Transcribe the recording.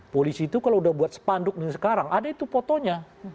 polisi itu kalau udah buat sepanduk sekarang ada itu fotonya